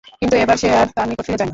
কিন্তু এবার সে আর তার নিকট ফিরে যায়নি।